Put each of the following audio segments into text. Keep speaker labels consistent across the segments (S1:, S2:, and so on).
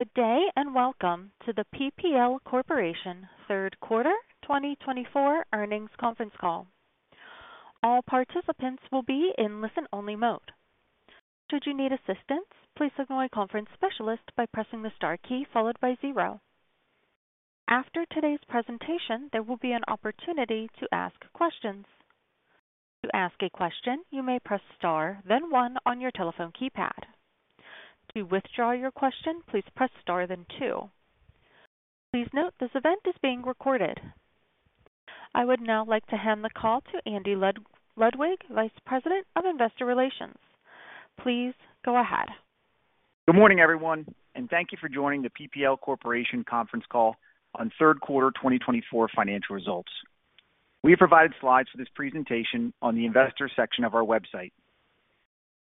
S1: Good day and welcome to the PPL Corporation Q3 2024 Earnings Conference Call. All participants will be in listen-only mode. Should you need assistance, please signal a conference specialist by pressing the star key followed by zero. After today's presentation, there will be an opportunity to ask questions. To ask a question, you may press star, then one on your telephone keypad. To withdraw your question, please press star, then two. Please note this event is being recorded. I would now like to hand the call to Andy Ludwig, Vice President of Investor Relations. Please go ahead.
S2: Good morning, everyone, and thank you for joining the PPL Corporation conference call on Q3 2024 financial results. We have provided slides for this presentation on the investor section of our website.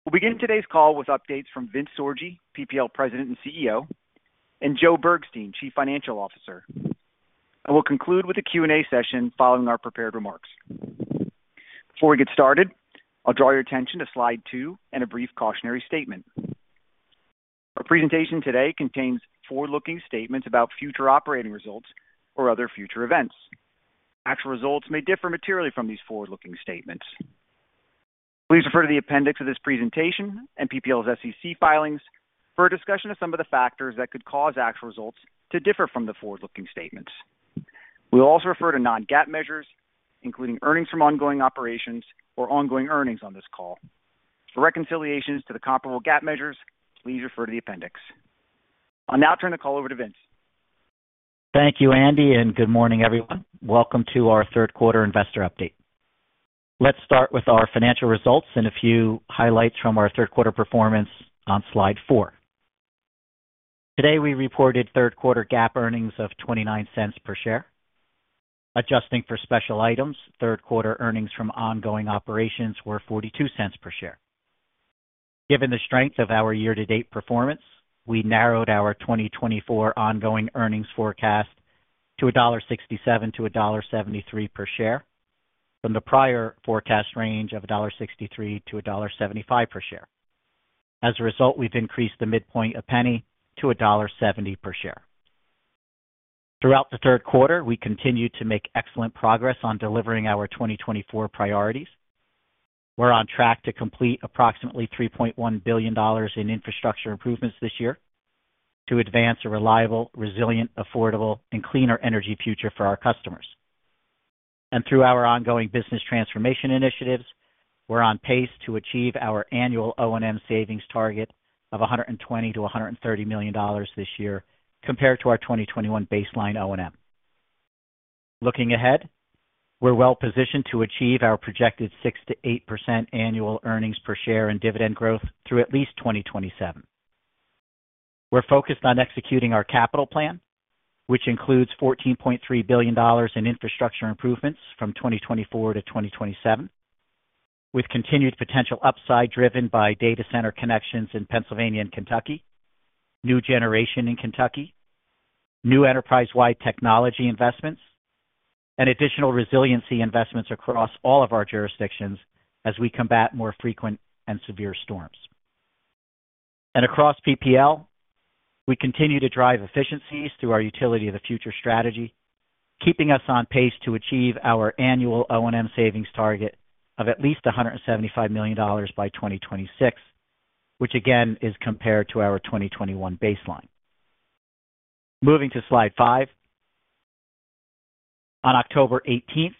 S2: We'll begin today's call with updates from Vince Sorgi, PPL President and CEO, and Joe Bergstein, Chief Financial Officer, and we'll conclude with a Q&A session following our prepared remarks. Before we get started, I'll draw your attention to slide two and a brief cautionary statement. Our presentation today contains forward-looking statements about future operating results or other future events. Actual results may differ materially from these forward-looking statements. Please refer to the appendix of this presentation and PPL's SEC filings for a discussion of some of the factors that could cause actual results to differ from the forward-looking statements. We'll also refer to non-GAAP measures, including earnings from ongoing operations or ongoing earnings on this call. For reconciliations to the comparable GAAP measures, please refer to the appendix. I'll now turn the call over to Vince.
S3: Thank you, Andy, and good morning, everyone. Welcome to our Q3 Investor Update. Let's start with our financial results and a few highlights from our Q3 performance on slide four. Today, we reported Q3 GAAP earnings of $0.29 per share. Adjusting for special items, Q3 earnings from ongoing operations were $0.42 per share. Given the strength of our year-to-date performance, we narrowed our 2024 ongoing earnings forecast to $1.67-$1.73 per share from the prior forecast range of $1.63-$1.75 per share. As a result, we've increased the midpoint a penny to $1.70 per share. Throughout the Q3, we continue to make excellent progress on delivering our 2024 priorities. We're on track to complete approximately $3.1 billion in infrastructure improvements this year to advance a reliable, resilient, affordable, and cleaner energy future for our customers. Through our ongoing business transformation initiatives, we're on pace to achieve our annual O&M savings target of $120 million to $130 million this year compared to our 2021 baseline O&M. Looking ahead, we're well positioned to achieve our projected 6%-8% annual earnings per share and dividend growth through at least 2027. We're focused on executing our capital plan, which includes $14.3 billion in infrastructure improvements from 2024 to 2027, with continued potential upside driven by data center connections in Pennsylvania and Kentucky, new generation in Kentucky, new enterprise-wide technology investments, and additional resiliency investments across all of our jurisdictions as we combat more frequent and severe storms. Across PPL, we continue to drive efficiencies through our Utility of the Future strategy, keeping us on pace to achieve our annual O&M savings target of at least $175 million by 2026, which again is compared to our 2021 baseline. Moving to slide five, on October 18th,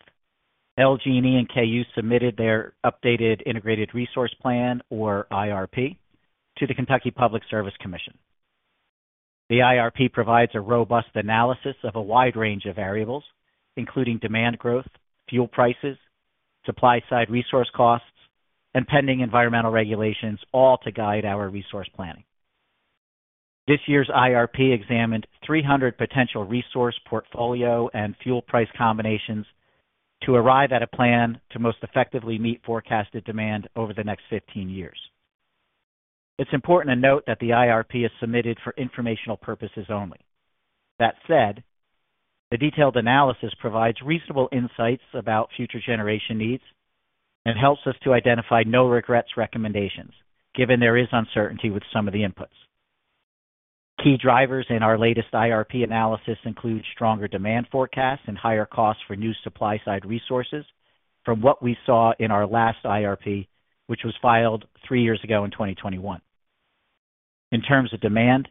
S3: LG&E and KU submitted their updated Integrated Resource Plan, or IRP, to the Kentucky Public Service Commission. The IRP provides a robust analysis of a wide range of variables, including demand growth, fuel prices, supply-side resource costs, and pending environmental regulations, all to guide our resource planning. This year's IRP examined 300 potential resource portfolio and fuel price combinations to arrive at a plan to most effectively meet forecasted demand over the next 15 years. It's important to note that the IRP is submitted for informational purposes only. That said, the detailed analysis provides reasonable insights about future generation needs and helps us to identify no-regrets recommendations, given there is uncertainty with some of the inputs. Key drivers in our latest IRP analysis include stronger demand forecasts and higher costs for new supply-side resources from what we saw in our last IRP, which was filed three years ago in 2021. In terms of demand,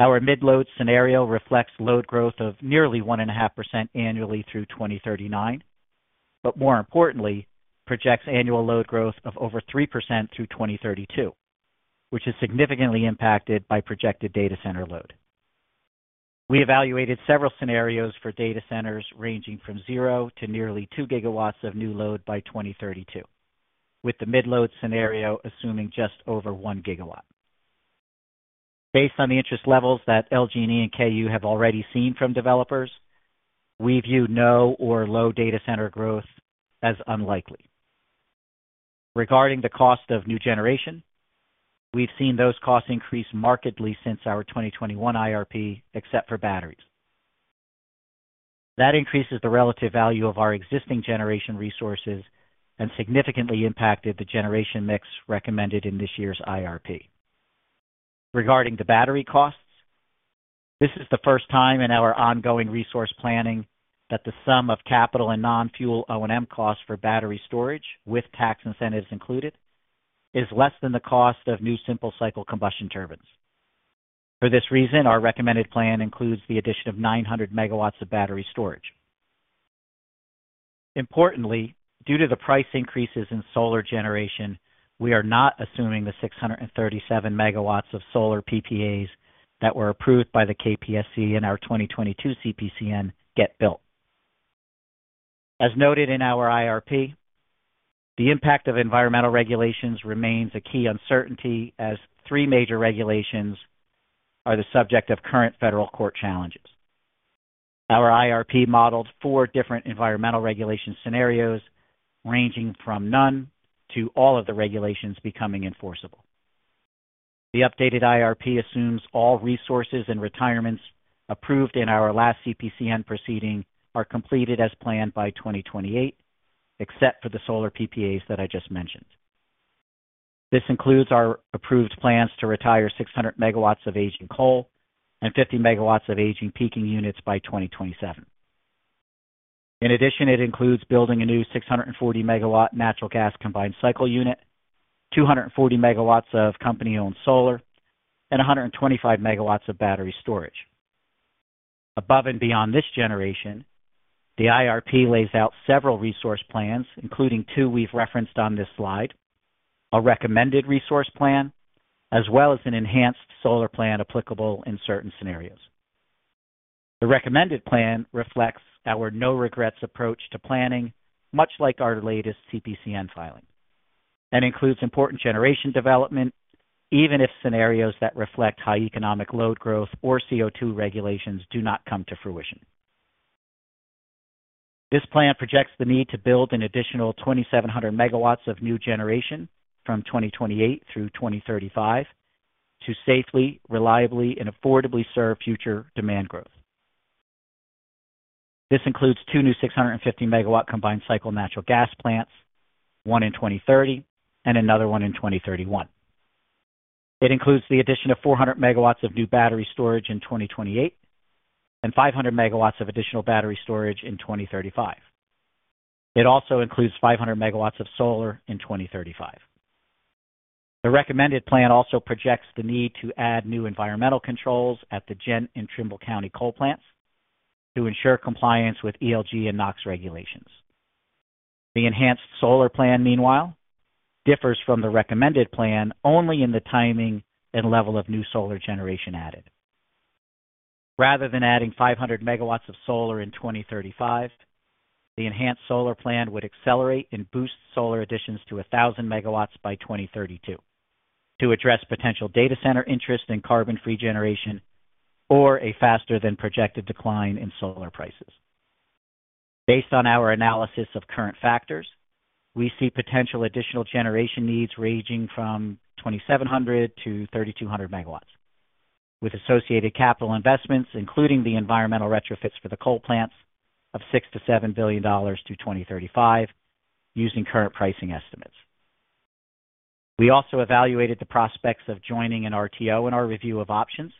S3: our mid-load scenario reflects load growth of nearly 1.5% annually through 2039, but more importantly, projects annual load growth of over 3% through 2032, which is significantly impacted by projected data center load. We evaluated several scenarios for data centers ranging from zero to nearly two GW of new load by 2032, with the mid-load scenario assuming just over one GW. Based on the interest levels that LG&E and KU have already seen from developers, we view no or low data center growth as unlikely. Regarding the cost of new generation, we've seen those costs increase markedly since our 2021 IRP, except for batteries. That increase is the relative value of our existing generation resources and significantly impacted the generation mix recommended in this year's IRP. Regarding the battery costs, this is the first time in our ongoing resource planning that the sum of capital and non-fuel O&M costs for battery storage, with tax incentives included, is less than the cost of new simple cycle combustion turbines. For this reason, our recommended plan includes the addition of 900 MW of battery storage. Importantly, due to the price increases in solar generation, we are not assuming the 637 MW of solar PPAs that were approved by the KPSC in our 2022 CPCN get built. As noted in our IRP, the impact of environmental regulations remains a key uncertainty as three major regulations are the subject of current federal court challenges. Our IRP modeled four different environmental regulation scenarios ranging from none to all of the regulations becoming enforceable. The updated IRP assumes all resources and retirements approved in our last CPCN proceeding are completed as planned by 2028, except for the solar PPAs that I just mentioned. This includes our approved plans to retire 600 MWof aging coal and 50 MW of aging peaking units by 2027. In addition, it includes building a new 640 MW natural gas combined cycle unit, 240 MWof company-owned solar, and 125 MW of battery storage. Above and beyond this generation, the IRP lays out several resource plans, including two we've referenced on this slide: a recommended resource plan, as well as an enhanced solar plan applicable in certain scenarios. The recommended plan reflects our no-regrets approach to planning, much like our latest CPCN filing, and includes important generation development, even if scenarios that reflect high economic load growth or CO2 regulations do not come to fruition. This plan projects the need to build an additional 2,700 MW of new generation from 2028 through 2035 to safely, reliably, and affordably serve future demand growth. This includes two new 650 MW combined cycle natural gas plants, one in 2030 and another one in 2031. It includes the addition of 400 MW of new battery storage in 2028 and 500 MW of additional battery storage in 2035. It also includes 500 MW of solar in 2035. The recommended plan also projects the need to add new environmental controls at the Ghent and Trimble County coal plants to ensure compliance with ELG and NOx regulations. The enhanced solar plan, meanwhile, differs from the recommended plan only in the timing and level of new solar generation added. Rather than adding 500 MW of solar in 2035, the enhanced solar plan would accelerate and boost solar additions to 1,000 MW by 2032 to address potential data center interest in carbon-free generation or a faster-than-projected decline in solar prices. Based on our analysis of current factors, we see potential additional generation needs ranging from 2,700-3,200 MW, with associated capital investments, including the environmental retrofits for the coal plants, of $6-$7 billion through 2035 using current pricing estimates. We also evaluated the prospects of joining an RTO in our review of options,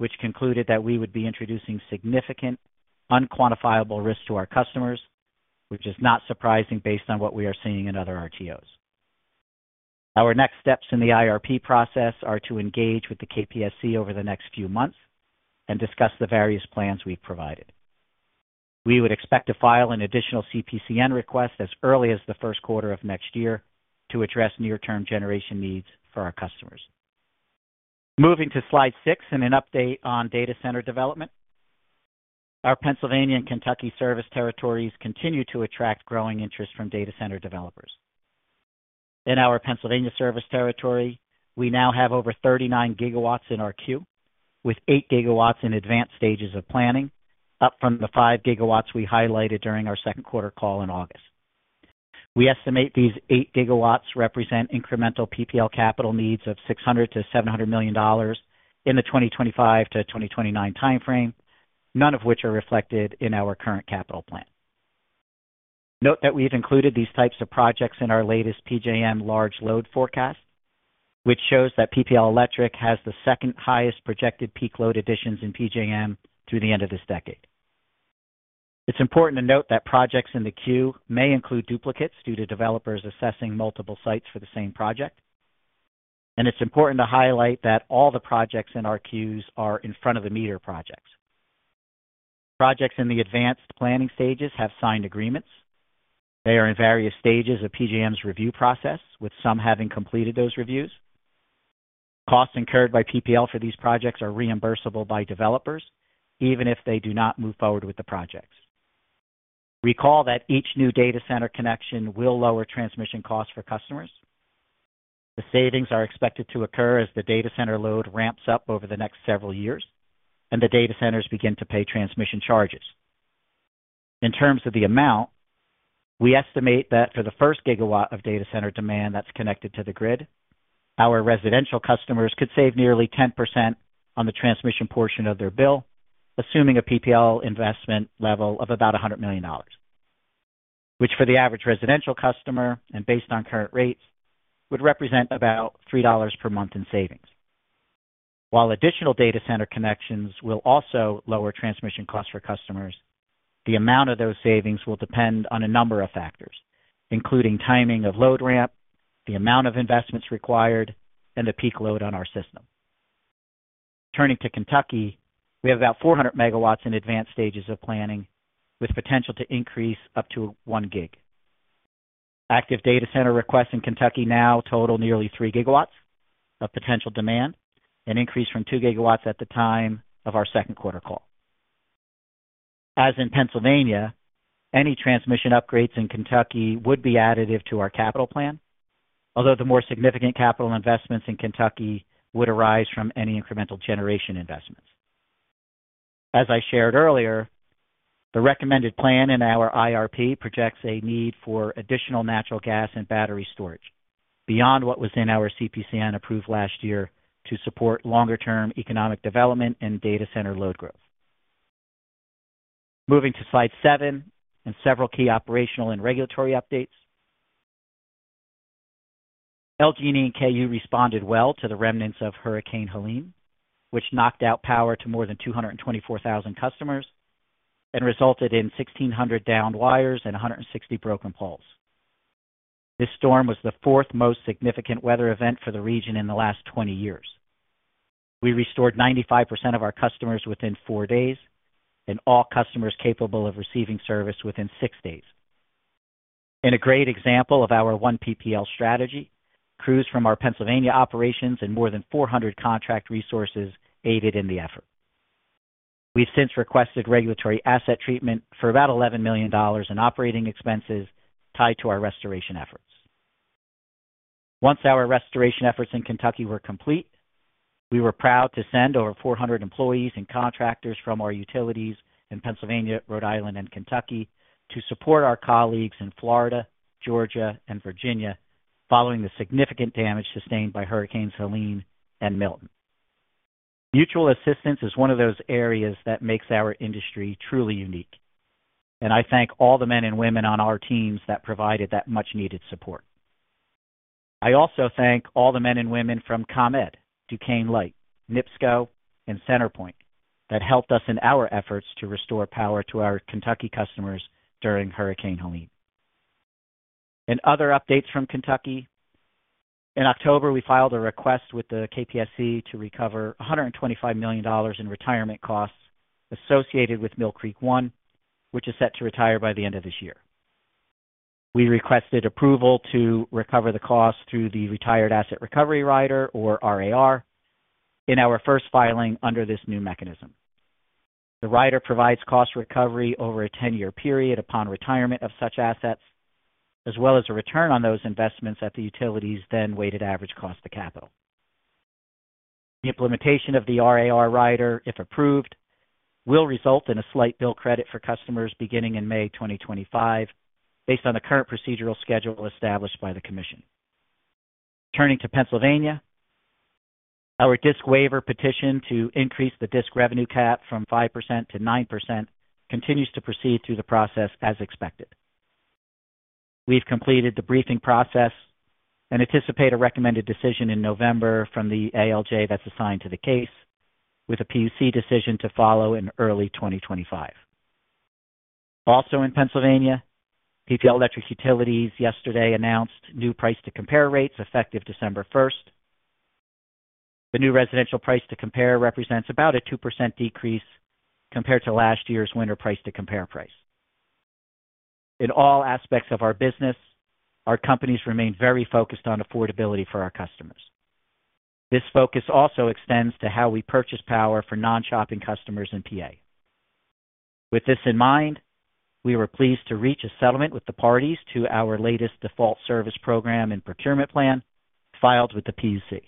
S3: which concluded that we would be introducing significant unquantifiable risk to our customers, which is not surprising based on what we are seeing in other RTOs. Our next steps in the IRP process are to engage with the KPSC over the next few months and discuss the various plans we've provided. We would expect to file an additional CPCN request as early as the Q1 of next year to address near-term generation needs for our customers. Moving to slide six and an update on data center development, our Pennsylvania and Kentucky service territories continue to attract growing interest from data center developers. In our Pennsylvania service territory, we now have over 39 GW in our queue, with 8 GW in advanced stages of planning, up from the 5 GWwe highlighted during our Q2 call in August. We estimate these 8 GW represent incremental PPL capital needs of $600-$700 million in the 2025 to 2029 timeframe, none of which are reflected in our current capital plan. Note that we've included these types of projects in our latest PJM large load forecast, which shows that PPL Electric has the second highest projected peak load additions in PJM through the end of this decade. It's important to note that projects in the queue may include duplicates due to developers assessing multiple sites for the same project, and it's important to highlight that all the projects in our queues are in front of the meter projects. Projects in the advanced planning stages have signed agreements. They are in various stages of PJM's review process, with some having completed those reviews. Costs incurred by PPL for these projects are reimbursable by developers, even if they do not move forward with the projects. Recall that each new data center connection will lower transmission costs for customers. The savings are expected to occur as the data center load ramps up over the next several years, and the data centers begin to pay transmission charges. In terms of the amount, we estimate that for the first gigawatt of data center demand that's connected to the grid, our residential customers could save nearly 10% on the transmission portion of their bill, assuming a PPL investment level of about $100 million, which for the average residential customer, and based on current rates, would represent about $3 per month in savings. While additional data center connections will also lower transmission costs for customers, the amount of those savings will depend on a number of factors, including timing of load ramp, the amount of investments required, and the peak load on our system. Returning to Kentucky, we have about 400 MW in advanced stages of planning, with potential to increase up to 1 gig. Active data center requests in Kentucky now total nearly 3 GW of potential demand, an increase from 2 GW at the time of our Q2 call. As in Pennsylvania, any transmission upgrades in Kentucky would be additive to our capital plan, although the more significant capital investments in Kentucky would arise from any incremental generation investments. As I shared earlier, the recommended plan in our IRP projects a need for additional natural gas and battery storage beyond what was in our CPCN approved last year to support longer-term economic development and data center load growth. Moving to slide seven and several key operational and regulatory updates. LG&E and KU responded well to the remnants of Hurricane Helene, which knocked out power to more than 224,000 customers and resulted in 1,600 downed wires and 160 broken poles. This storm was the fourth most significant weather event for the region in the last 20 years. We restored 95% of our customers within four days and all customers capable of receiving service within six days. In a great example of our one PPL strategy, crews from our Pennsylvania operations and more than 400 contract resources aided in the effort. We've since requested regulatory asset treatment for about $11 million in operating expenses tied to our restoration efforts. Once our restoration efforts in Kentucky were complete, we were proud to send over 400 employees and contractors from our utilities in Pennsylvania, Rhode Island, and Kentucky to support our colleagues in Florida, Georgia, and Virginia following the significant damage sustained by Hurricanes Helene and Milton. Mutual assistance is one of those areas that makes our industry truly unique, and I thank all the men and women on our teams that provided that much-needed support. I also thank all the men and women from ComEd, Duquesne Light, NIPSCO, and CenterPoint that helped us in our efforts to restore power to our Kentucky customers during Hurricane Helene. In other updates from Kentucky, in October, we filed a request with the KPSC to recover $125 million in retirement costs associated with Mill Creek One, which is set to retire by the end of this year. We requested approval to recover the costs through the Retired Asset Recovery Rider, or RARR, in our first filing under this new mechanism. The Rider provides cost recovery over a 10-year period upon retirement of such assets, as well as a return on those investments at the utility's then weighted average cost to capital. The implementation of the RAR Rider, if approved, will result in a slight bill credit for customers beginning in May 2025, based on the current procedural schedule established by the Commission. Returning to Pennsylvania, our DSIC waiver petition to increase the DSIC revenue cap from 5% to 9% continues to proceed through the process as expected. We've completed the briefing process and anticipate a recommended decision in November from the ALJ that's assigned to the case, with a PUC decision to follow in early 2025. Also in Pennsylvania, PPL Electric Utilities yesterday announced new Price-to-Compare rates effective December 1st. The new residential Price-to-Compare represents about a 2% decrease compared to last year's winter Price-to-Compare price. In all aspects of our business, our companies remain very focused on affordability for our customers. This focus also extends to how we purchase power for non-shopping customers in PA. With this in mind, we were pleased to reach a settlement with the parties to our latest default service program and procurement plan filed with the PUC.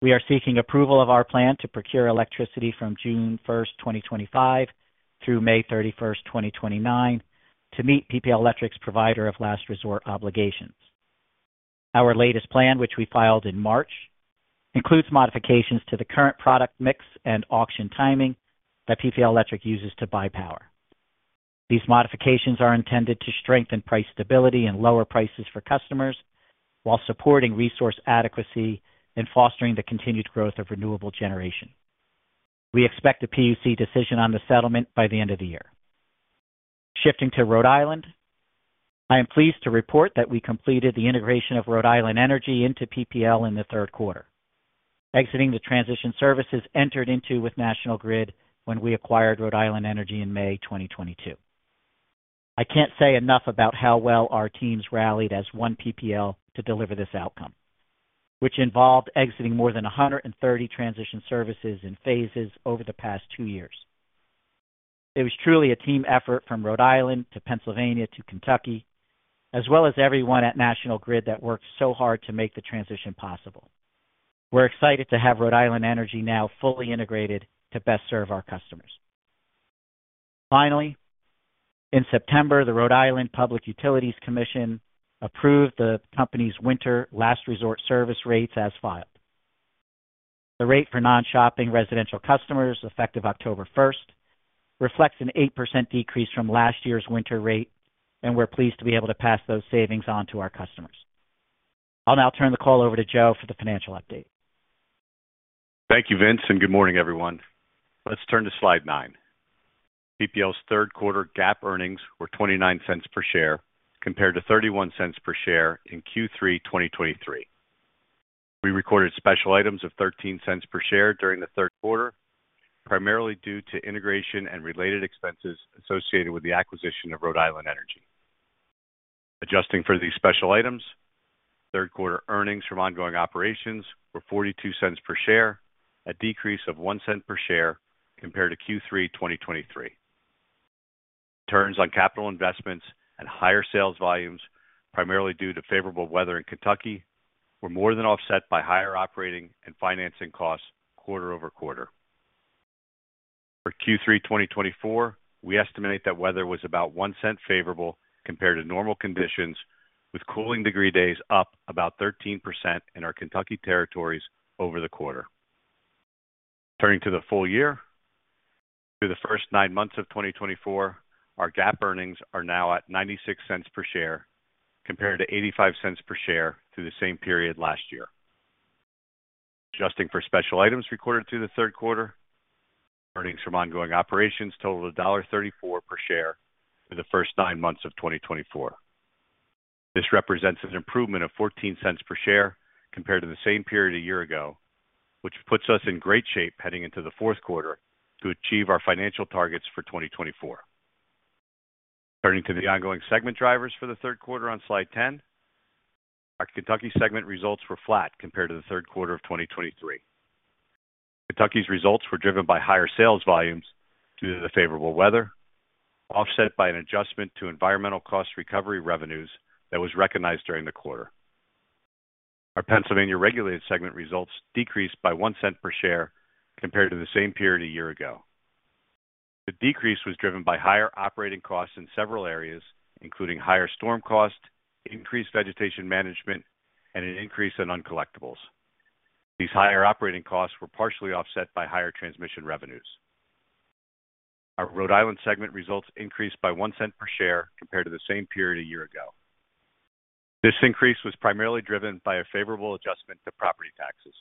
S3: We are seeking approval of our plan to procure electricity from June 1st, 2025, through May 31st, 2029, to meet PPL Electric's provider of last resort obligations. Our latest plan, which we filed in March, includes modifications to the current product mix and auction timing that PPL Electric uses to buy power. These modifications are intended to strengthen price stability and lower prices for customers while supporting resource adequacy and fostering the continued growth of renewable generation. We expect a PUC decision on the settlement by the end of the year. Shifting to Rhode Island, I am pleased to report that we completed the integration of Rhode Island Energy into PPL in the Q3, exiting the transition services entered into with National Grid when we acquired Rhode Island Energy in May 2022. I can't say enough about how well our teams rallied as one PPL to deliver this outcome, which involved exiting more than 130 transition services in phases over the past two years. It was truly a team effort from Rhode Island to Pennsylvania to Kentucky, as well as everyone at National Grid that worked so hard to make the transition possible. We're excited to have Rhode Island Energy now fully integrated to best serve our customers. Finally, in September, the Rhode Island Public Utilities Commission approved the company's winter last resort service rates as filed. The rate for non-shopping residential customers effective October 1st reflects an 8% decrease from last year's winter rate, and we're pleased to be able to pass those savings on to our customers. I'll now turn the call over to Joe for the financial update.
S4: Thank you, Vince, and good morning, everyone. Let's turn to slide nine. PPL's Q3 GAAP earnings were $0.29 per share compared to $0.31 per share in Q3 2023. We recorded special items of $0.13 per share during the Q3, primarily due to integration and related expenses associated with the acquisition of Rhode Island Energy. Adjusting for these special items, Q3 earnings from ongoing operations were $0.42 per share, a decrease of $0.01 per share compared to Q3 2023. Returns on capital investments and higher sales volumes, primarily due to favorable weather in Kentucky, were more than offset by higher operating and financing costs quarter-over-quarter. For Q3 2024, we estimate that weather was about $0.01 favorable compared to normal conditions, with cooling degree days up about 13% in our Kentucky territories over the quarter. Turning to the full year, through the first nine months of 2024, our GAAP earnings are now at $0.96 per share compared to $0.85 per share through the same period last year. Adjusting for special items recorded through the Q3, earnings from ongoing operations totaled $1.34 per share through the first nine months of 2024. This represents an improvement of $0.14 per share compared to the same period a year ago, which puts us in great shape heading into the Q4 to achieve our financial targets for 2024. Turning to the ongoing segment drivers for the Q3 on slide 10, our Kentucky segment results were flat compared to the Q3 of 2023. Kentucky's results were driven by higher sales volumes due to the favorable weather, offset by an adjustment to environmental cost recovery revenues that was recognized during the quarter. Our Pennsylvania regulated segment results decreased by $0.01 per share compared to the same period a year ago. The decrease was driven by higher operating costs in several areas, including higher storm cost, increased vegetation management, and an increase in uncollectibles. These higher operating costs were partially offset by higher transmission revenues. Our Rhode Island segment results increased by $0.01 per share compared to the same period a year ago. This increase was primarily driven by a favorable adjustment to property taxes.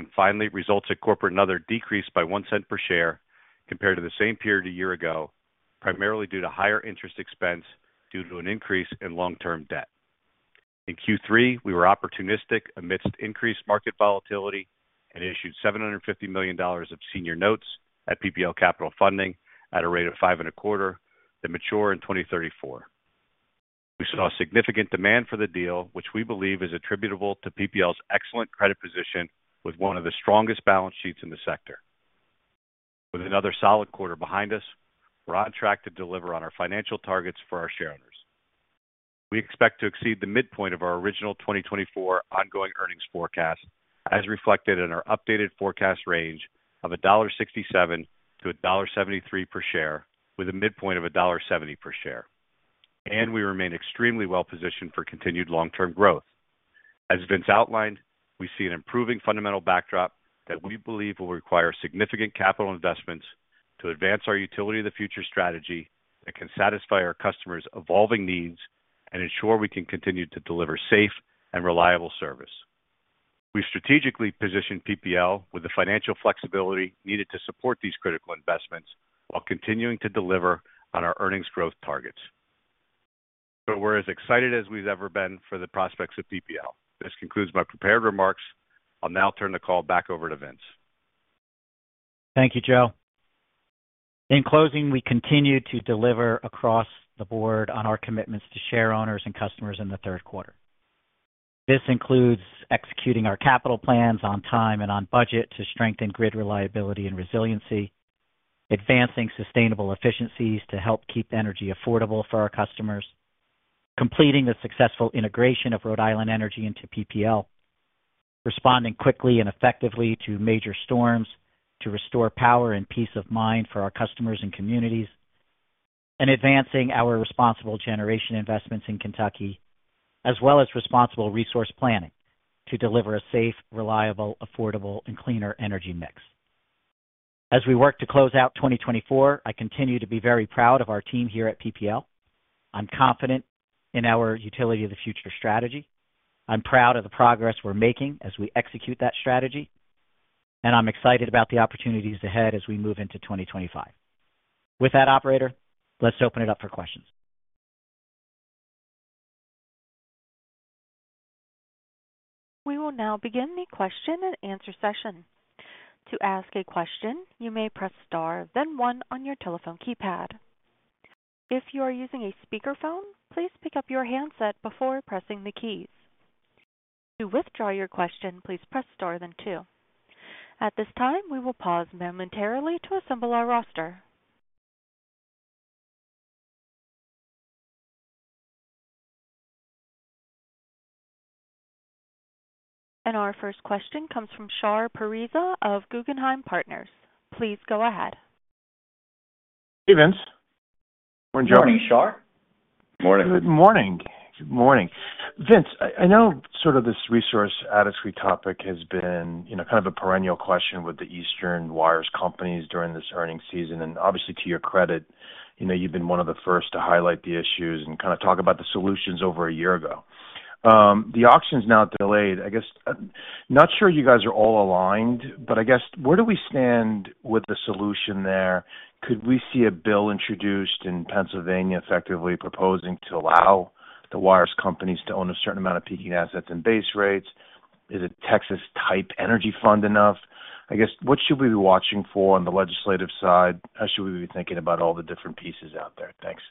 S4: And finally, results at corporate and other decreased by $0.01 per share compared to the same period a year ago, primarily due to higher interest expense due to an increase in long-term debt. In Q3, we were opportunistic amidst increased market volatility and issued $750 million of senior notes at PPL Capital Funding at a rate of 5.25% to mature in 2034. We saw significant demand for the deal, which we believe is attributable to PPL's excellent credit position with one of the strongest balance sheets in the sector. With another solid quarter behind us, we're on track to deliver on our financial targets for our shareholders. We expect to exceed the midpoint of our original 2024 ongoing earnings forecast, as reflected in our updated forecast range of $1.67-$1.73 per share, with a midpoint of $1.70 per share. We remain extremely well-positioned for continued long-term growth. As Vince outlined, we see an improving fundamental backdrop that we believe will require significant capital investments to advance our utility of the future strategy that can satisfy our customers' evolving needs and ensure we can continue to deliver safe and reliable service. We've strategically positioned PPL with the financial flexibility needed to support these critical investments while continuing to deliver on our earnings growth targets. So we're as excited as we've ever been for the prospects of PPL. This concludes my prepared remarks. I'll now turn the call back over to Vince.
S3: Thank you, Joe. In closing, we continue to deliver across the board on our commitments to share owners and customers in the Q3. This includes executing our capital plans on time and on budget to strengthen grid reliability and resiliency, advancing sustainable efficiencies to help keep energy affordable for our customers, completing the successful integration of Rhode Island Energy into PPL, responding quickly and effectively to major storms to restore power and peace of mind for our customers and communities, and advancing our responsible generation investments in Kentucky, as well as responsible resource planning to deliver a safe, reliable, affordable, and cleaner energy mix. As we work to close out 2024, I continue to be very proud of our team here at PPL. I'm confident in our utility of the future strategy. I'm proud of the progress we're making as we execute that strategy, and I'm excited about the opportunities ahead as we move into 2025. With that, Operator, let's open it up for questions.
S1: We will now begin the question and answer session. To ask a question, you may press star, then one on your telephone keypad. If you are using a speakerphone, please pick up your handset before pressing the keys. To withdraw your question, please press star, then two. At this time, we will pause momentarily to assemble our roster. Our first question comes from Shar Pourreza of Guggenheim Partners. Please go ahead.
S5: Hey, Vince. Morning, Joe.
S3: Morning, Shar.
S5: Good morning. Good morning. Vince, I know sort of this resource adequacy topic has been kind of a perennial question with the Eastern Wires companies during this earnings season. And obviously, to your credit, you've been one of the first to highlight the issues and kind of talk about the solutions over a year ago. The auction's now delayed. I guess, not sure you guys are all aligned, but I guess, where do we stand with the solution there? Could we see a bill introduced in Pennsylvania effectively proposing to allow the wires companies to own a certain amount of peaking assets and base rates? Is a Texas-type energy fund enough? I guess, what should we be watching for on the legislative side? How should we be thinking about all the different pieces out there? Thanks.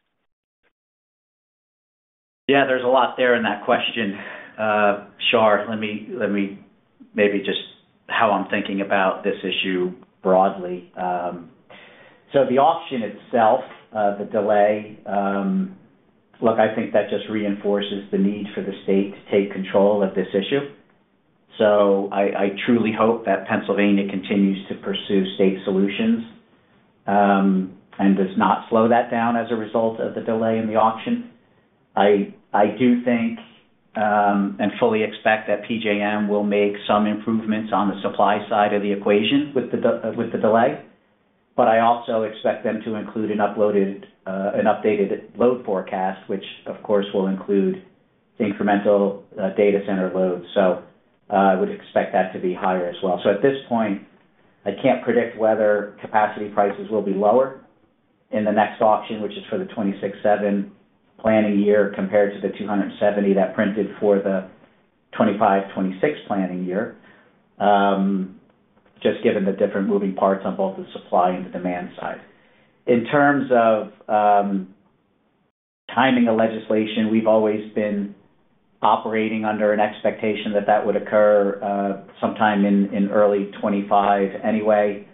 S3: Yeah, there's a lot there in that question, Shar. Let me maybe just how I'm thinking about this issue broadly. So the auction itself, the delay, look, I think that just reinforces the need for the state to take control of this issue. So I truly hope that Pennsylvania continues to pursue state solutions and does not slow that down as a result of the delay in the auction. I do think and fully expect that PJM will make some improvements on the supply side of the equation with the delay. But I also expect them to include an updated load forecast, which, of course, will include incremental data center loads. So I would expect that to be higher as well. So at this point, I can't predict whether capacity prices will be lower in the next auction, which is for the 2026-2027 planning year compared to the $270 that printed for the 2025-2026 planning year, just given the different moving parts on both the supply and the demand side. In terms of timing of legislation, we've always been operating under an expectation that that would occur sometime in early 2025 anyway.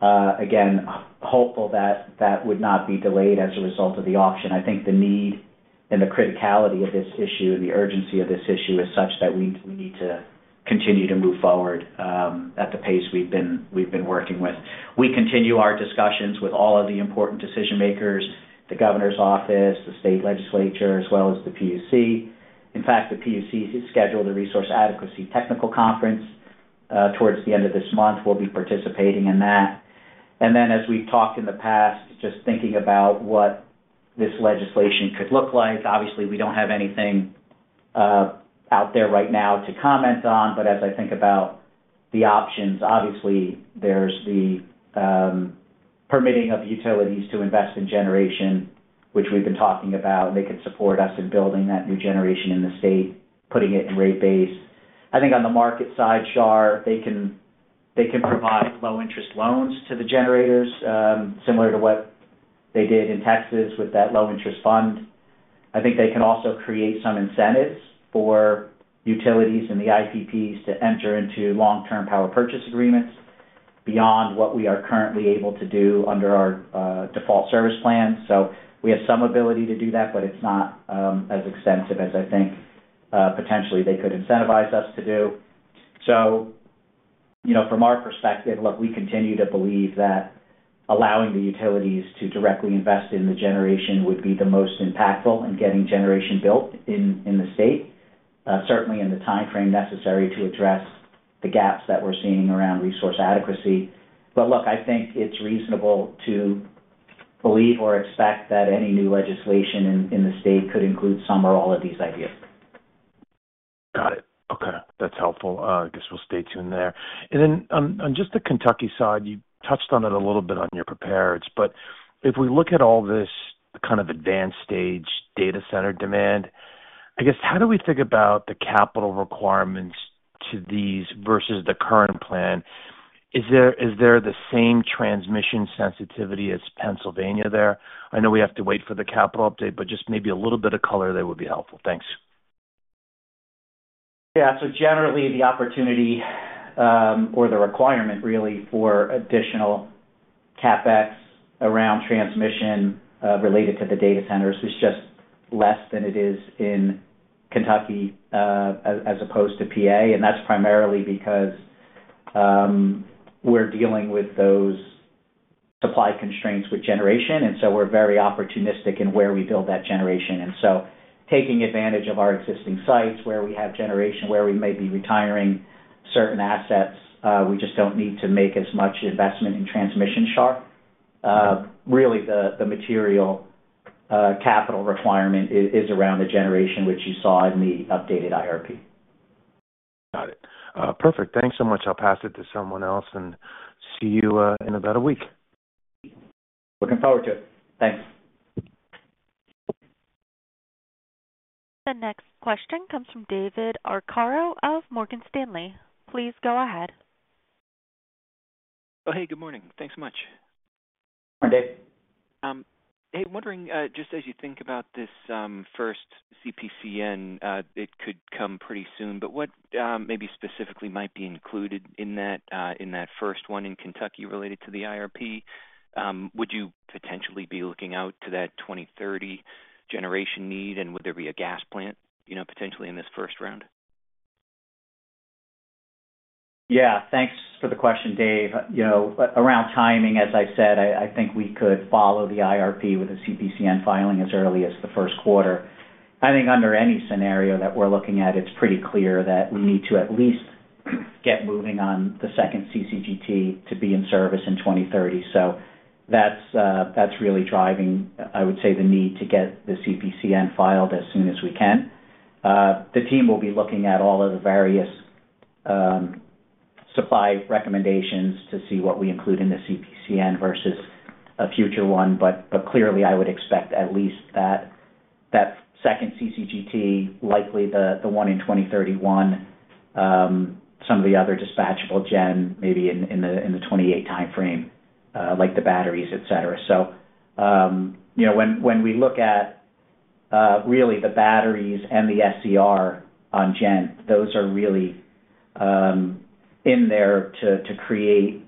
S3: Again, hopeful that that would not be delayed as a result of the auction. I think the need and the criticality of this issue and the urgency of this issue is such that we need to continue to move forward at the pace we've been working with. We continue our discussions with all of the important decision-makers, the governor's office, the state legislature, as well as the PUC. In fact, the PUC has scheduled a resource adequacy technical conference towards the end of this month. We'll be participating in that. And then, as we've talked in the past, just thinking about what this legislation could look like, obviously, we don't have anything out there right now to comment on. But as I think about the options, obviously, there's the permitting of utilities to invest in generation, which we've been talking about. They could support us in building that new generation in the state, putting it in rate-based. I think on the market side, Shar, they can provide low-interest loans to the generators, similar to what they did in Texas with that low-interest fund. I think they can also create some incentives for utilities and the IPPs to enter into long-term power purchase agreements beyond what we are currently able to do under our default service plan. So we have some ability to do that, but it's not as extensive as I think potentially they could incentivize us to do. So from our perspective, look, we continue to believe that allowing the utilities to directly invest in the generation would be the most impactful in getting generation built in the state, certainly in the timeframe necessary to address the gaps that we're seeing around resource adequacy. But look, I think it's reasonable to believe or expect that any new legislation in the state could include some or all of these ideas.
S5: Got it. Okay. That's helpful. I guess we'll stay tuned there. And then on just the Kentucky side, you touched on it a little bit on your prepareds. But if we look at all this kind of advanced stage data center demand, I guess, how do we think about the capital requirements to these versus the current plan? Is there the same transmission sensitivity as Pennsylvania there? I know we have to wait for the capital update, but just maybe a little bit of color there would be helpful. Thanks.
S3: Yeah. So generally, the opportunity or the requirement really for additional CapEx around transmission related to the data centers is just less than it is in Kentucky as opposed to PA. And that's primarily because we're dealing with those supply constraints with generation. And so we're very opportunistic in where we build that generation. And so taking advantage of our existing sites where we have generation, where we may be retiring certain assets, we just don't need to make as much investment in transmission, Shar. Really, the material capital requirement is around the generation, which you saw in the updated IRP.
S5: Got it. Perfect. Thanks so much. I'll pass it to someone else and see you in about a week.
S3: Looking forward to it. Thanks.
S1: The next question comes from David Arcaro of Morgan Stanley. Please go ahead.
S6: Oh, hey, good morning. Thanks so much.
S3: Morning, Dave.
S6: Hey, wondering, just as you think about this first CPCN, it could come pretty soon, but what maybe specifically might be included in that first one in Kentucky related to the IRP? Would you potentially be looking out to that 2030 generation need, and would there be a gas plant potentially in this first round?
S3: Yeah. Thanks for the question, Dave. Around timing, as I said, I think we could follow the IRP with a CPCN filing as early as the Q1. I think under any scenario that we're looking at, it's pretty clear that we need to at least get moving on the second CCGT to be in service in 2030. So that's really driving, I would say, the need to get the CPCN filed as soon as we can. The team will be looking at all of the various supply recommendations to see what we include in the CPCN versus a future one. But clearly, I would expect at least that second CCGT, likely the one in 2031, some of the other dispatchable gen maybe in the 2028 timeframe, like the batteries, etc. So when we look at really the batteries and the SCR on gen, those are really in there to create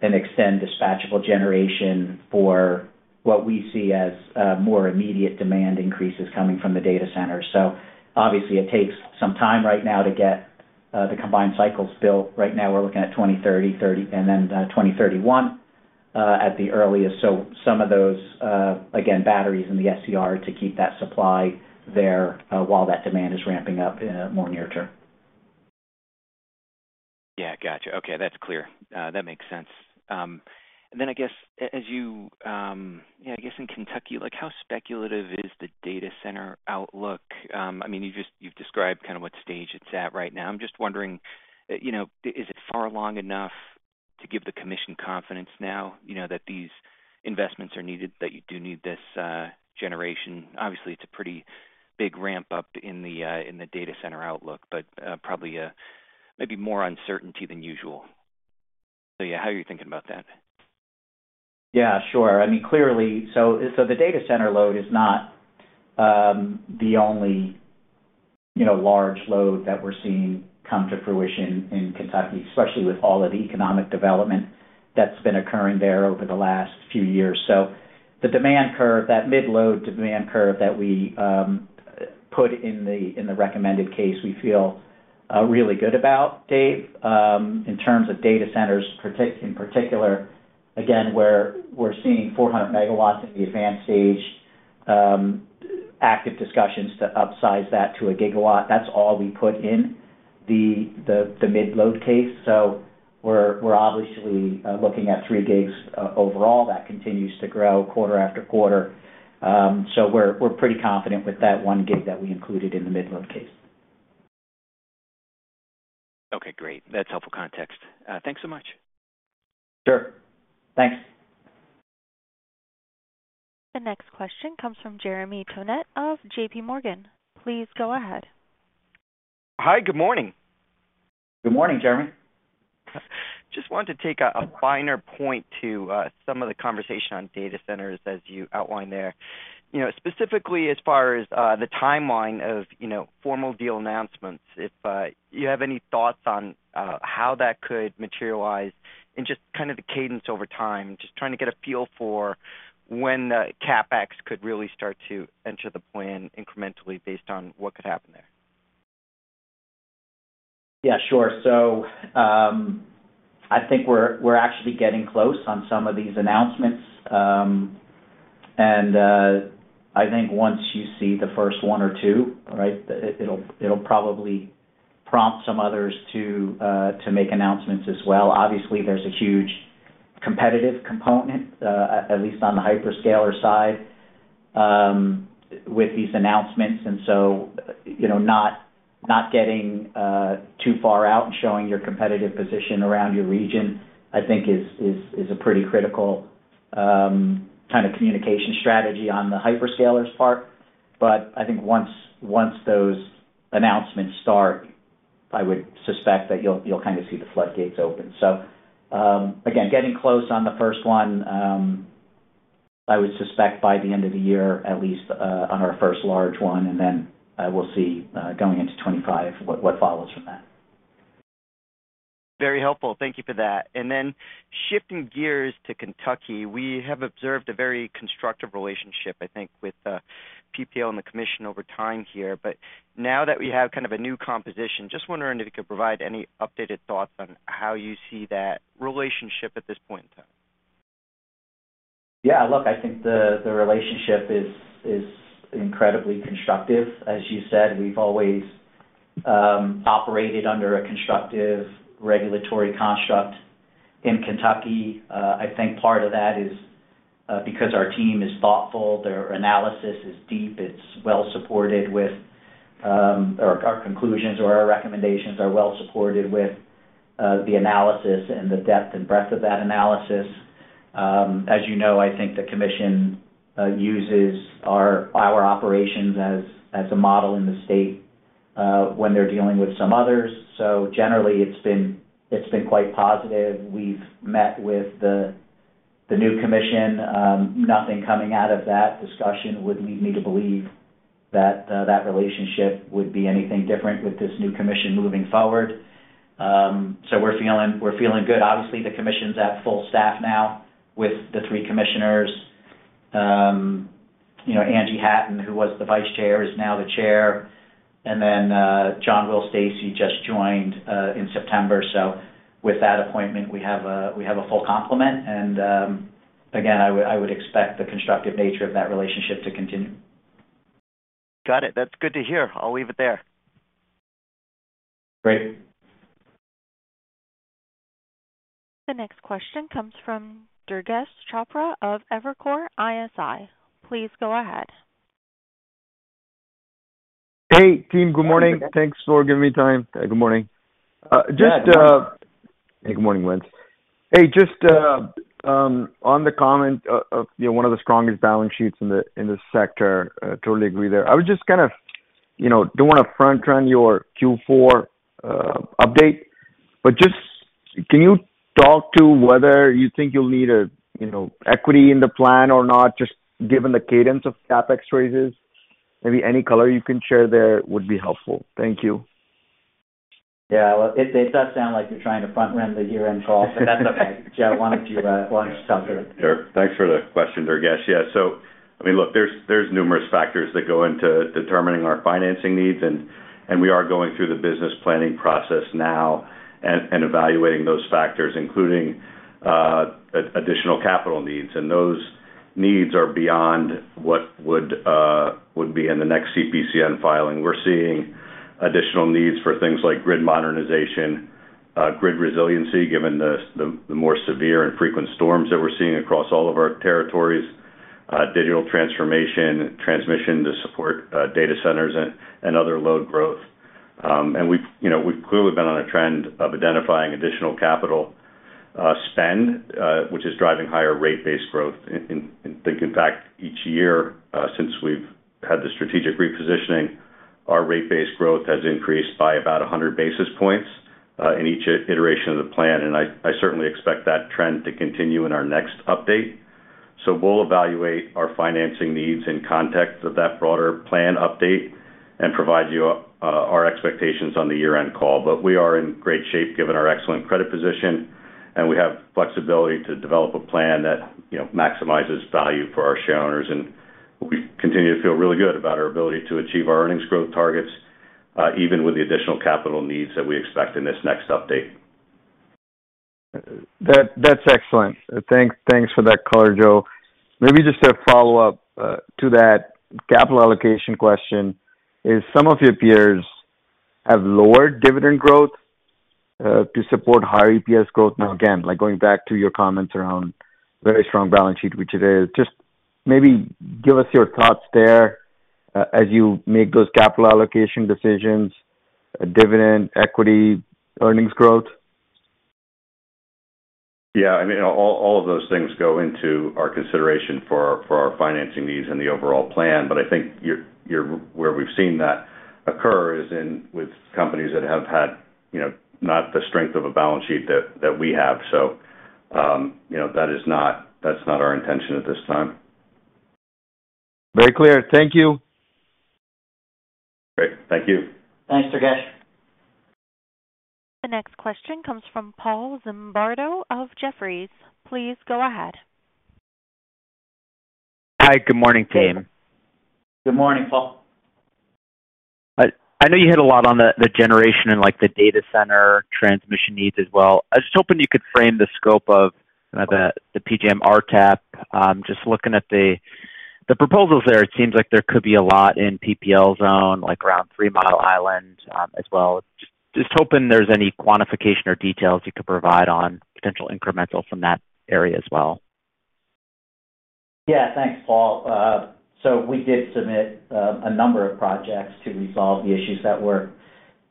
S3: and extend dispatchable generation for what we see as more immediate demand increases coming from the data centers. So obviously, it takes some time right now to get the combined cycles built. Right now, we're looking at 2030, and then 2031 at the earliest. So some of those, again, batteries and the SCR to keep that supply there while that demand is ramping up in a more near term.
S6: Yeah. Gotcha. Okay. That's clear. That makes sense. And then I guess, as you yeah, I guess in Kentucky, how speculative is the data center outlook? I mean, you've described kind of what stage it's at right now. I'm just wondering, is it far along enough to give the commission confidence now that these investments are needed, that you do need this generation? Obviously, it's a pretty big ramp-up in the data center outlook, but probably maybe more uncertainty than usual. So yeah, how are you thinking about that?
S3: Yeah, sure. I mean, clearly, so the data center load is not the only large load that we're seeing come to fruition in Kentucky, especially with all of the economic development that's been occurring there over the last few years. So the demand curve, that mid-load demand curve that we put in the recommended case, we feel really good about, Dave, in terms of data centers in particular. Again, where we're seeing 400 MW in the advanced stage, active discussions to upsize that to a gigawatt. That's all we put in the mid-load case. So we're obviously looking at three gigs overall. That continues to grow quarter after quarter. So we're pretty confident with that one gig that we included in the mid-load case.
S6: Okay. Great. That's helpful context. Thanks so much.
S3: Sure. Thanks.
S6: The next question comes from Jeremy Tonet of JPMorgan. Please go ahead.
S7: Hi. Good morning.
S3: Good morning, Jeremy.
S7: Just wanted to take a finer point to some of the conversation on data centers as you outline there. Specifically, as far as the timeline of formal deal announcements, if you have any thoughts on how that could materialize and just kind of the cadence over time, just trying to get a feel for when CapEx could really start to enter the plan incrementally based on what could happen there.
S3: Yeah, sure. So I think we're actually getting close on some of these announcements. And I think once you see the first one or two, right, it'll probably prompt some others to make announcements as well. Obviously, there's a huge competitive component, at least on the hyperscaler side, with these announcements. And so not getting too far out and showing your competitive position around your region, I think, is a pretty critical kind of communication strategy on the hyperscalers' part. But I think once those announcements start, I would suspect that you'll kind of see the floodgates open. So again, getting close on the first one, I would suspect by the end of the year, at least on our first large one, and then we'll see going into 2025 what follows from that.
S7: Very helpful. Thank you for that. And then shifting gears to Kentucky, we have observed a very constructive relationship, I think, with PPL and the commission over time here. But now that we have kind of a new composition, just wondering if you could provide any updated thoughts on how you see that relationship at this point in time.
S3: Yeah. Look, I think the relationship is incredibly constructive. As you said, we've always operated under a constructive regulatory construct in Kentucky. I think part of that is because our team is thoughtful. Their analysis is deep. It's well-supported with our conclusions, or our recommendations are well-supported with the analysis and the depth and breadth of that analysis. As you know, I think the commission uses our operations as a model in the state when they're dealing with some others. So generally, it's been quite positive. We've met with the new commission. Nothing coming out of that discussion would lead me to believe that that relationship would be anything different with this new commission moving forward. So we're feeling good. Obviously, the commission's at full staff now with the three commissioners. Angie Hatton, who was the vice chair, is now the chair. And then John Will Stacy, she just joined in September. So with that appointment, we have a full complement. And again, I would expect the constructive nature of that relationship to continue.
S7: Got it. That's good to hear. I'll leave it there.
S3: Great.
S1: The next question comes from Durgesh Chopra of Evercore ISI. Please go ahead.
S8: Hey, team. Good morning. Thanks for giving me time.
S3: Good morning.
S8: Hey, good morning, Vince. Hey, just on the comment of one of the strongest balance sheets in the sector, totally agree there. I would just kind of don't want to front-run your Q4 update, but just can you talk to whether you think you'll need equity in the plan or not, just given the cadence of CapEx raises? Maybe any color you can share there would be helpful. Thank you.
S3: Yeah. Well, it does sound like you're trying to front-run the year-end call, but that's okay. I wanted to talk to it.
S4: Sure. Thanks for the question, Durgesh. Yeah. So I mean, look, there's numerous factors that go into determining our financing needs, and we are going through the business planning process now and evaluating those factors, including additional capital needs. And those needs are beyond what would be in the next CPCN filing. We're seeing additional needs for things like grid modernization, grid resiliency, given the more severe and frequent storms that we're seeing across all of our territories, digital transformation, transmission to support data centers, and other load growth. And we've clearly been on a trend of identifying additional capital spend, which is driving higher rate-based growth. I think, in fact, each year since we've had the strategic repositioning, our rate-based growth has increased by about 100 basis points in each iteration of the plan. And I certainly expect that trend to continue in our next update. So we'll evaluate our financing needs in context of that broader plan update and provide you our expectations on the year-end call. But we are in great shape given our excellent credit position, and we have flexibility to develop a plan that maximizes value for our share owners. And we continue to feel really good about our ability to achieve our earnings growth targets, even with the additional capital needs that we expect in this next update.
S8: That's excellent. Thanks for that color, Joe. Maybe just a follow-up to that capital allocation question is some of your peers have lowered dividend growth to support higher EPS growth. Now, again, going back to your comments around very strong balance sheet, which it is, just maybe give us your thoughts there as you make those capital allocation decisions, dividend, equity, earnings growth.
S4: Yeah. I mean, all of those things go into our consideration for our financing needs and the overall plan. But I think where we've seen that occur is with companies that have had not the strength of a balance sheet that we have. So that's not our intention at this time.
S8: Very clear. Thank you. Great.
S4: Thank you.
S3: Thanks, Durgesh.
S1: The next question comes from Paul Zimbardo of Jefferies. Please go ahead.
S9: Hi. Good morning, team.
S3: Good morning, Paul.
S9: I know you hit a lot on the generation and the data center transmission needs as well. I was just hoping you could frame the scope of the PJM RTEP. Just looking at the proposals there, it seems like there could be a lot in PPL zone, like around Three Mile Island as well. Just hoping there's any quantification or details you could provide on potential incremental from that area as well.
S3: Yeah. Thanks, Paul. So we did submit a number of projects to resolve the issues that were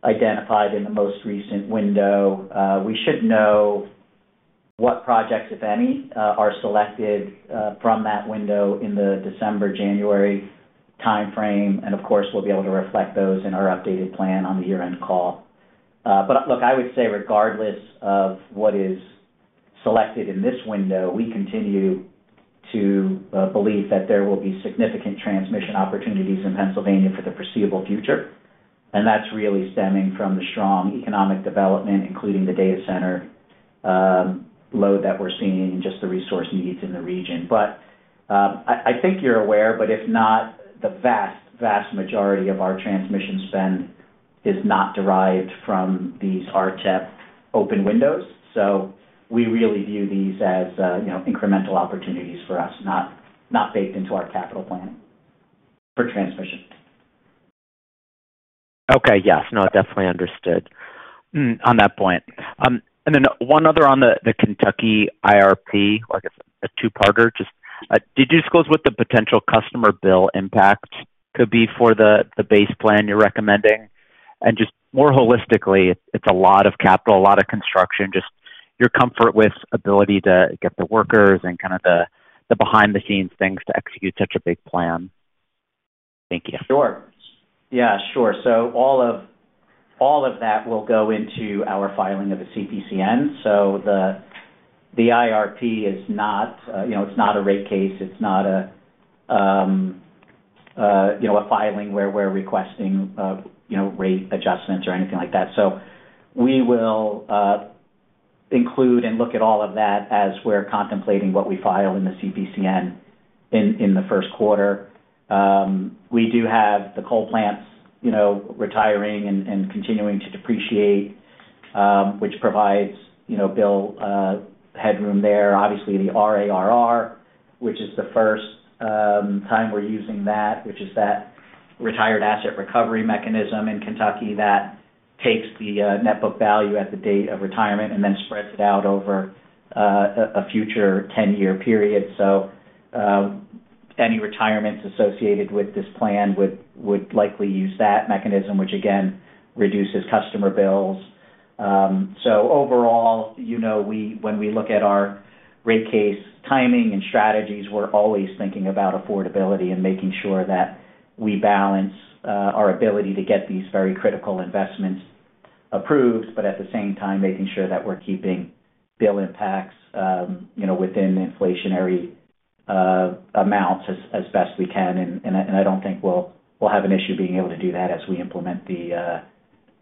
S3: identified in the most recent window. We should know what projects, if any, are selected from that window in the December, January timeframe. And of course, we'll be able to reflect those in our updated plan on the year-end call. But look, I would say regardless of what is selected in this window, we continue to believe that there will be significant transmission opportunities in Pennsylvania for the foreseeable future. That's really stemming from the strong economic development, including the data center load that we're seeing and just the resource needs in the region. I think you're aware, but if not, the vast, vast majority of our transmission spend is not derived from these RTEP open windows. We really view these as incremental opportunities for us, not baked into our capital plan for transmission.
S9: Okay. Yes. No, definitely understood on that point. One other on the Kentucky IRP, like a two-parter, just did you disclose what the potential customer bill impact could be for the base plan you're recommending? Just more holistically, it's a lot of capital, a lot of construction, just your comfort with ability to get the workers and kind of the behind-the-scenes things to execute such a big plan. Thank you.
S3: Sure. Yeah, sure. So all of that will go into our filing of the CPCN. So the IRP is not; it's not a rate case. It's not a filing where we're requesting rate adjustments or anything like that. So we will include and look at all of that as we're contemplating what we file in the CPCN in the Q1. We do have the coal plants retiring and continuing to depreciate, which provides bill headroom there. Obviously, the RARR, which is the first time we're using that, which is that retired asset recovery mechanism in Kentucky that takes the net book value at the date of retirement and then spreads it out over a future 10-year period. So any retirements associated with this plan would likely use that mechanism, which again reduces customer bills. So overall, when we look at our rate case timing and strategies, we're always thinking about affordability and making sure that we balance our ability to get these very critical investments approved, but at the same time, making sure that we're keeping bill impacts within inflationary amounts as best we can. And I don't think we'll have an issue being able to do that as we implement the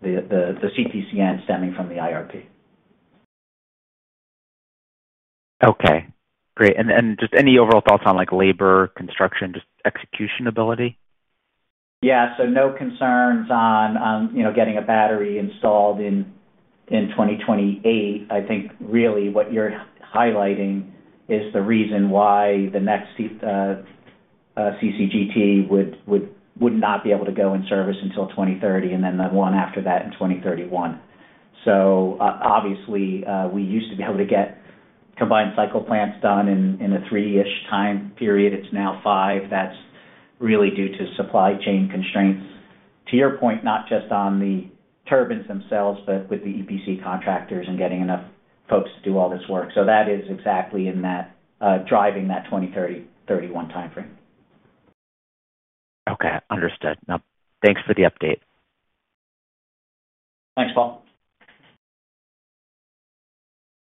S3: CPCN stemming from the IRP. Okay. Great. And just any overall thoughts on labor, construction, just execution ability? Yeah. So no concerns on getting a battery installed in 2028. I think really what you're highlighting is the reason why the next CCGT would not be able to go in service until 2030, and then the one after that in 2031. So obviously, we used to be able to get combined cycle plants done in a three-ish time period. It's now five. That's really due to supply chain constraints. To your point, not just on the turbines themselves, but with the EPC contractors and getting enough folks to do all this work. So that is exactly in that driving that 2030, '2031 timeframe.
S9: Okay. Understood. Thanks for the update.
S3: Thanks, Paul.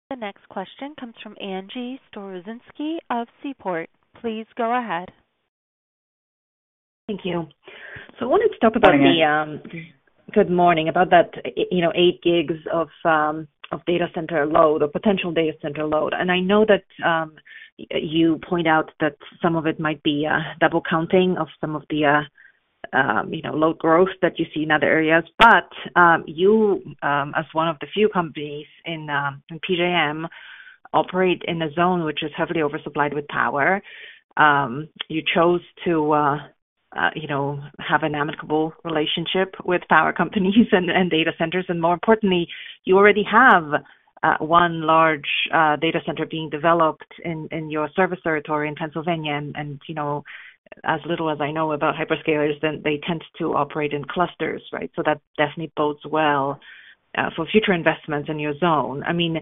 S1: The next question comes from Angie Storozynski of Seaport. Please go ahead.
S10: Thank you.
S3: Good morning.
S10: Good morning. About that 8 GW of data center load or potential data center load. And I know that you point out that some of it might be double counting of some of the load growth that you see in other areas. But you, as one of the few companies in PJM, operate in a zone which is heavily oversupplied with power. You chose to have an amicable relationship with power companies and data centers. And more importantly, you already have one large data center being developed in your service territory in Pennsylvania. And as little as I know about hyperscalers, they tend to operate in clusters, right? So that definitely bodes well for future investments in your zone. I mean,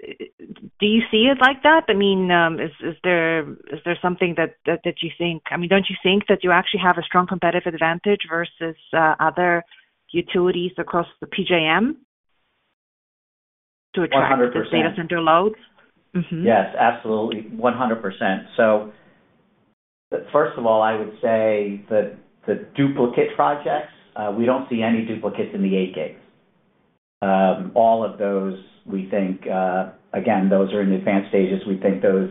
S10: do you see it like that? I mean, is there something that you think I mean, don't you think that you actually have a strong competitive advantage versus other utilities across the PJM to attract data center loads?
S3: Yes. Absolutely. 100%. So first of all, I would say the duplicate projects, we don't see any duplicates in the 8 gigs. All of those, we think, again, those are in advanced stages. We think those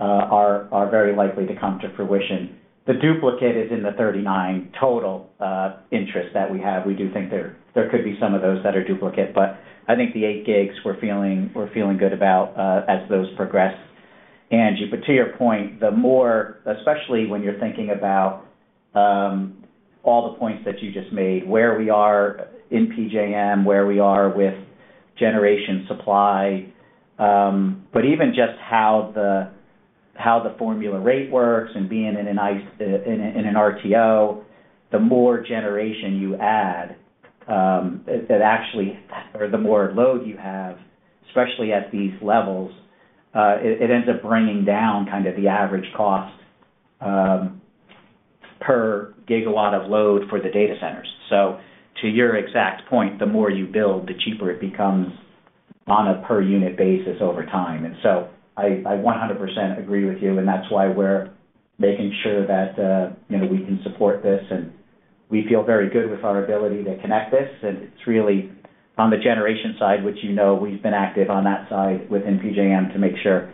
S3: are very likely to come to fruition. The duplicate is in the 39 total interest that we have. We do think there could be some of those that are duplicate. But I think the 8 gigs. We're feeling good about as those progress. Angie, but to your point, especially when you're thinking about all the points that you just made, where we are in PJM, where we are with generation supply, but even just how the formula rate works and being in an RTO, the more generation you add, or the more load you have, especially at these levels, it ends up bringing down kind of the average cost per gigawatt of load for the data centers. So to your exact point, the more you build, the cheaper it becomes on a per-unit basis over time. And so I 100% agree with you. And that's why we're making sure that we can support this. And we feel very good with our ability to connect this. And it's really on the generation side, which you know we've been active on that side within PJM to make sure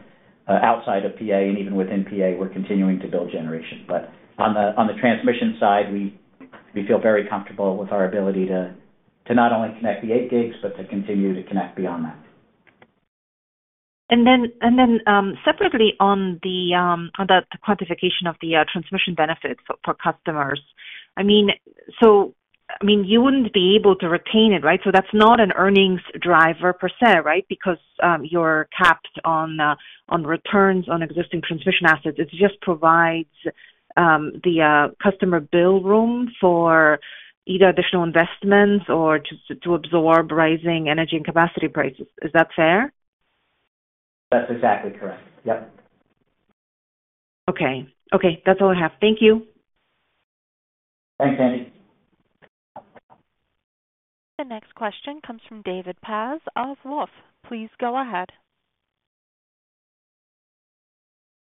S3: outside of PA and even within PA, we're continuing to build generation. But on the transmission side, we feel very comfortable with our ability to not only connect the 8 gigs, but to continue to connect beyond that.
S10: And then separately on the quantification of the transmission benefits for customers, I mean, so I mean, you wouldn't be able to retain it, right? So that's not an earnings driver per se, right? Because you're capped on returns on existing transmission assets. It just provides the customer bill room for either additional investments or to absorb rising energy and capacity prices. Is that fair?
S3: That's exactly correct. Yep.
S10: Okay. Okay. That's all I have. Thank you.
S3: Thanks, Angie.
S1: The next question comes from David Paz of Wolfe. Please go ahead.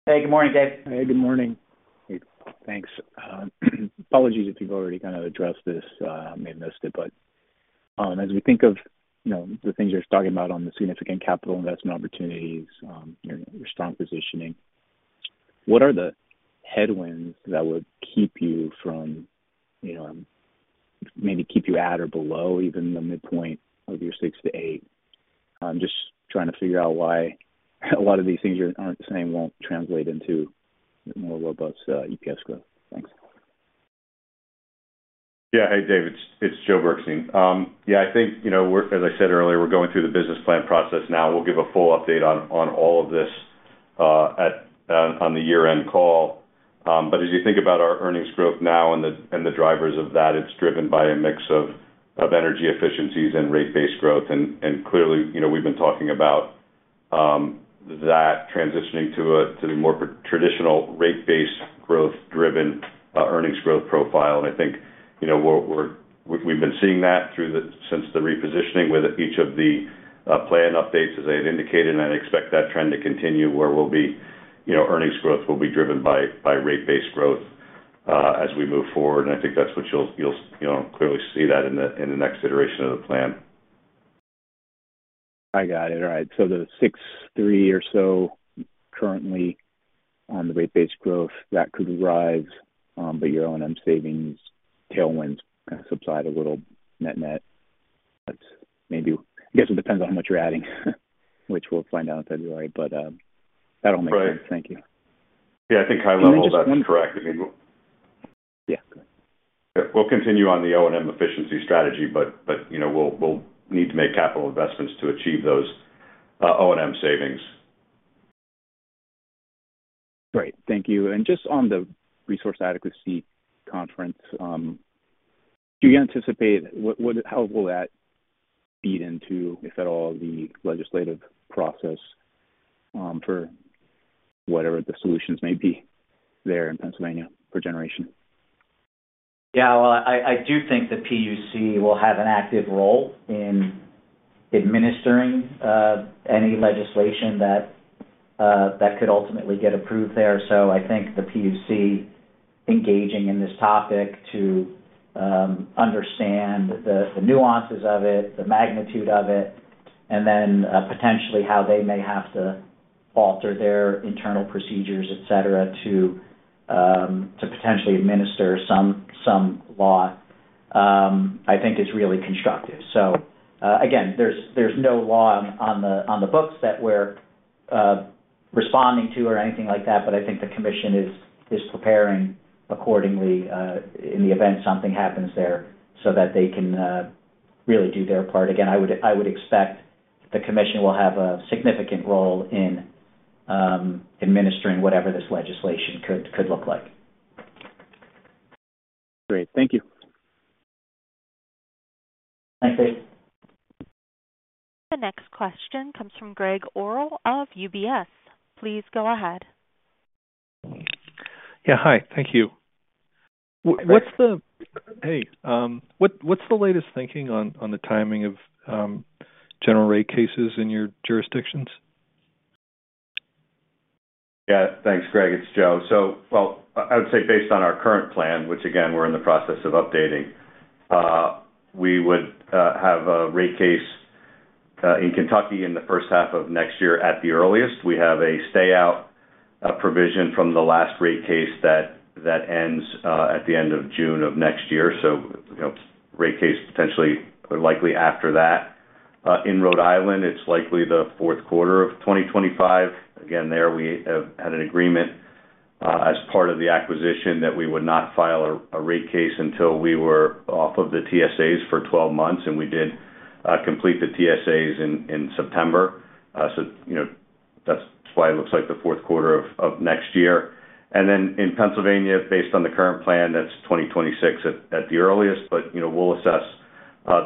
S3: Hey, good morning, Dave.
S11: Hey, good morning. Thanks. Apologies if you've already kind of addressed this. I may have missed it. But as we think of the things you're talking about on the significant capital investment opportunities, your strong positioning, what are the headwinds that would keep you from maybe at or below even the midpoint of your 6-8? I'm just trying to figure out why a lot of these things you're saying won't translate into more robust EPS growth. Thanks.
S4: Yeah. Hey, Dave. It's Joe Bergstein. Yeah. I think, as I said earlier, we're going through the business plan process now. We'll give a full update on all of this on the year-end call. But as you think about our earnings growth now and the drivers of that, it's driven by a mix of energy efficiencies and rate-based growth. Clearly, we've been talking about that transitioning to a more traditional rate-based growth-driven earnings growth profile. I think we've been seeing that since the repositioning with each of the plan updates, as I had indicated. I expect that trend to continue where earnings growth will be driven by rate-based growth as we move forward. I think that's what you'll clearly see that in the next iteration of the plan.
S11: I got it. All right. The 6.3 or so currently on the rate-based growth that could arise, but your O&M savings tailwinds kind of subside a little net-net. Maybe, I guess it depends on how much you're adding, which we'll find out in February. That all makes sense. Thank you.
S4: Yeah. I think high level is correct. I mean.
S11: Yeah.
S4: We'll continue on the O&M efficiency strategy, but we'll need to make capital investments to achieve those O&M savings.
S11: Great. Thank you. And just on the resource adequacy conference, do you anticipate how will that feed into, if at all, the legislative process for whatever the solutions may be there in Pennsylvania for generation?
S3: Yeah. Well, I do think the PUC will have an active role in administering any legislation that could ultimately get approved there. So I think the PUC engaging in this topic to understand the nuances of it, the magnitude of it, and then potentially how they may have to alter their internal procedures, etc., to potentially administer some law, I think is really constructive. So again, there's no law on the books that we're responding to or anything like that. But I think the commission is preparing accordingly in the event something happens there so that they can really do their part. Again, I would expect the commission will have a significant role in administering whatever this legislation could look like.
S11: Great. Thank you.
S3: Thanks, Dave.
S1: The next question comes from Gregg Orrill of UBS. Please go ahead.
S12: Yeah. Hi. Thank you. What's the latest thinking on the timing of general rate cases in your jurisdictions?
S4: Yeah. Thanks, Greg. It's Joe. So well, I would say based on our current plan, which again, we're in the process of updating, we would have a rate case in Kentucky in the first half of next year at the earliest. We have a stay-out provision from the last rate case that ends at the end of June of next year. So rate case potentially likely after that. In Rhode Island, it's likely the Q4 of 2025. Again, there we had an agreement as part of the acquisition that we would not file a rate case until we were off of the TSAs for 12 months. And we did complete the TSAs in September. So that's why it looks like the Q4 of next year. And then in Pennsylvania, based on the current plan, that's 2026 at the earliest. But we'll assess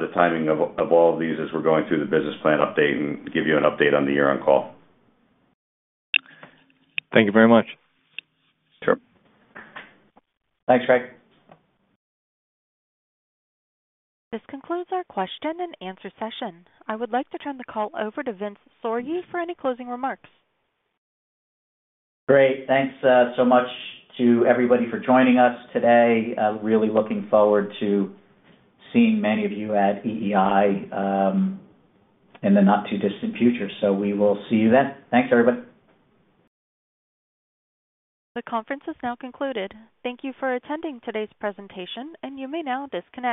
S4: the timing of all of these as we're going through the business plan update and give you an update on the year-end call.
S12: Thank you very much.
S4: Sure.
S3: Thanks, Greg.
S1: This concludes our question and answer session. I would like to turn the call over to Vince Sorgi for any closing remarks.
S3: Great. Thanks so much to everybody for joining us today. Really looking forward to seeing many of you at EEI in the not-too-distant future. So we will see you then. Thanks, everybody.
S1: The conference is now concluded. Thank you for attending today's presentation. And you may now disconnect.